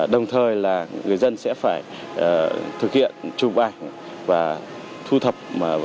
đồng thời là người dân sẽ phải thực hiện chụp vai và thu thập